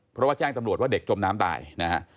เพราะว่าแจ้งตำรวจว่าเด็กจมน้ำตายนะฮะ